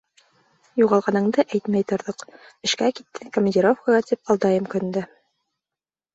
Юғалғаныңды әйтмәй торҙоҡ, эшкә китте, командировкаға, тип алдайым көн дә.